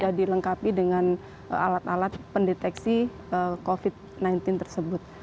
sudah dilengkapi dengan alat alat pendeteksi covid sembilan belas tersebut